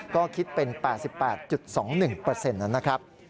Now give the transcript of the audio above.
ก็คิดเป็น๘๘๒๑นะครับ